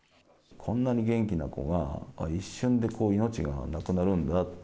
こんなに元気な子が一瞬でこう、命がなくなるんだって。